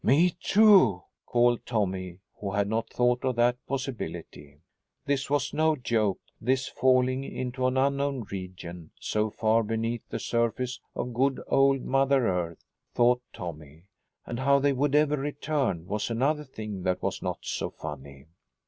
"Me, too," called Tommy, who had not thought of that possibility. This was no joke, this falling into an unknown region so far beneath the surface of good old mother earth, thought Tommy. And how they would ever return was another thing that was not so funny.